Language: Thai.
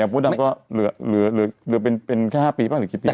บุฏมันก็เหลือเป็นแค่๕ปีบ้างหรือกี่ปีน่ะ